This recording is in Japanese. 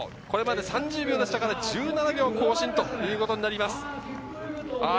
これまで３０秒でしたから１７秒更新となります。